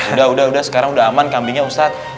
udah udah sekarang udah aman kambingnya ustadz